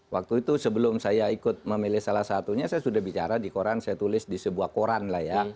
waktu itu sebelum saya ikut memilih salah satunya saya sudah bicara di koran saya tulis di sebuah koran lah ya